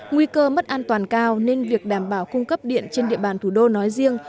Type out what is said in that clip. nguy cơ mất an toàn cao nên việc đảm bảo cung cấp điện trên địa bàn thủ đô nói riêng